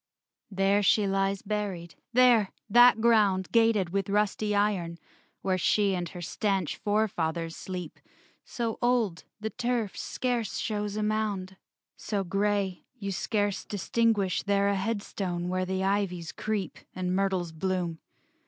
VII There she lies buried; there! that ground Gated with rusty iron, where She and her stanch forefathers sleep; So old, the turf scarce shows a mound; So gray, you scarce distinguish there A headstone where the ivies creep And myrtles bloom.